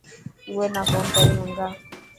اوئي نا فون ڪري منگا.